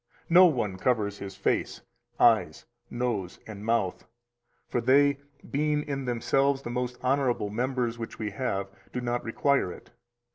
No one covers his face, eyes, nose, and mouth, for they, being in themselves the most honorable members which we have, do not require it.